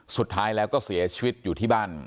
สุดท้ายแล้วก็เสียชีวิตอยู่ที่บ้าน